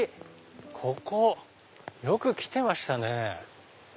ここよく来てましたね。